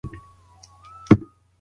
استاد له یوه ساعت راهیسې درس وايي.